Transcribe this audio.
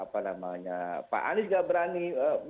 pak anies enggak berani